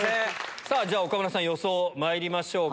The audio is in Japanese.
さあ、じゃあ岡村さん、予想まいりましょうか。